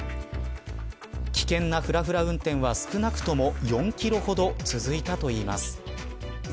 危険なふらふら運転は少なくとも４キロほど続いたといいます。